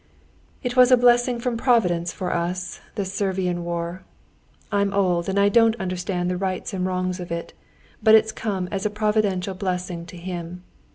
"It was a blessing from Providence for us—this Servian war. I'm old, and I don't understand the rights and wrongs of it, but it's come as a providential blessing to him.